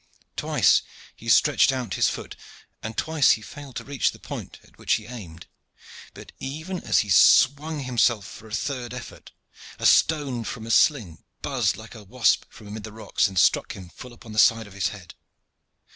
Twice he stretched out his foot, and twice he failed to reach the point at which he aimed, but even as he swung himself for a third effort a stone from a sling buzzed like a wasp from amid the rocks and struck him full upon the side of his head.